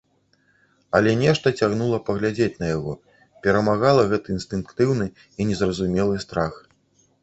Але нешта цягнула паглядзець на яго, перамагала гэты інстынктыўны і незразумелы страх.